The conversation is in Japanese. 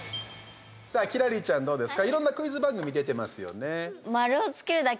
さあ、輝星ちゃんどうですか？